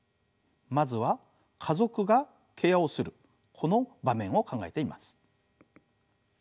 まずは家族がケアをするこの場面を考えてみます。